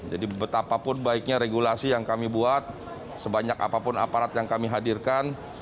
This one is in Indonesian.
jadi betapapun baiknya regulasi yang kami buat sebanyak apapun aparat yang kami hadirkan